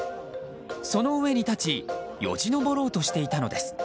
その上に立ちよじ登ろうとしていたのです。